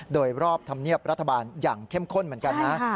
โดยรอบทำเนียบรัฐบาลอย่างเข้มข้นเหมือนกันนะฮะใช่ค่ะ